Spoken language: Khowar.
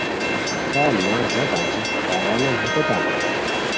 تان نوغ زاپ انجی پرانان ہتیتانتے دوئے